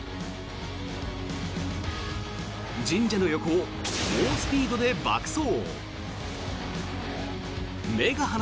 神社の横を猛スピードで爆走。